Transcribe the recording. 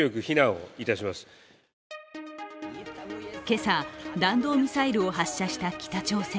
今朝、弾道ミサイルを発射した北朝鮮。